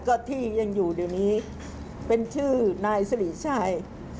ก็ที่ยังอยู่เดี๋ยวนี้เป็นชื่อนายสิริชัย